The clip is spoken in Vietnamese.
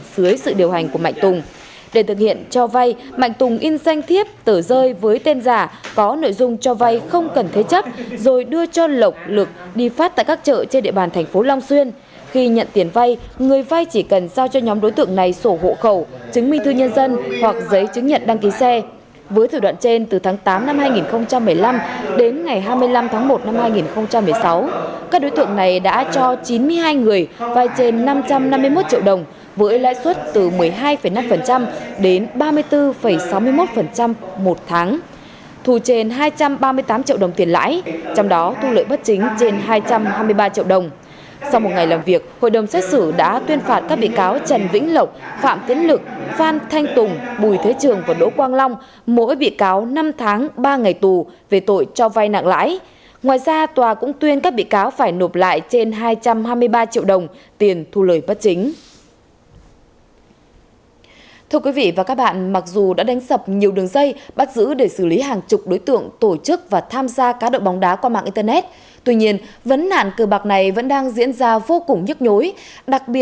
tòa án nhân dân thành phố long xuyên tỉnh an giang vừa đưa ra xét xử sơ thẩm vụ án hình sự đối với các bị cáo trần vĩnh lộc phạm tiến lực phan thanh tùng bùi thế trường và đỗ quang long cùng chú tại thành phố hải phòng về tội trao vay nặng lãi